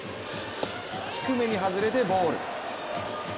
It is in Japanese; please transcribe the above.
低めに外れてボール。